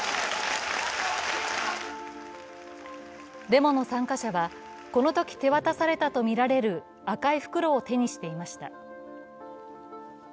デモの参加者はこのとき手渡されたとみられる赤い袋を手にしていました。